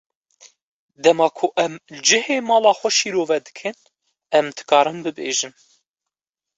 Dema ku em cihê mala xwe şîrove dikin, em dikarin bibêjin.